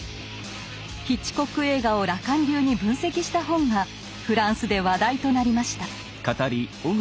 ヒッチコック映画をラカン流に分析した本がフランスで話題となりました。